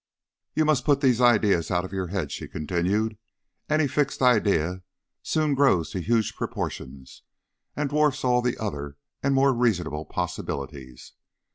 "You must put these ideas out of your head," she continued. "Any fixed idea soon grows to huge proportions, and dwarfs all the other and more reasonable possibilities.